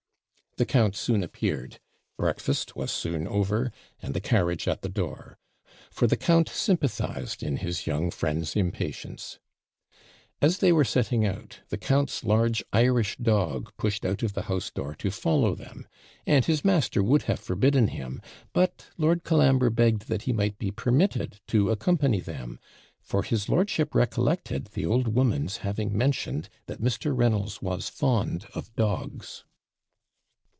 The count soon appeared breakfast was soon over, and the carriage at the door; for the count sympathised in his young friend's impatience. As they were setting out, the count's large Irish dog pushed out of the house door to follow them and his master would have forbidden him, but Lord Colambre begged that he might be permitted to accompany them; for his lordship recollected the old woman's having mentioned that Mr. Reynolds was fond of dogs.